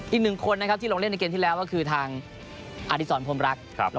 อีกหนึ่งคนที่ลงเล่นที่แรกนี้ก็คือพวกทางอธิศรพรมรัก